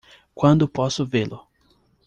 Quando posso vê-lo?